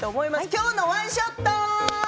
「きょうのワンショット」。